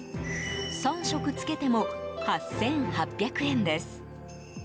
３食付けても８８００円です。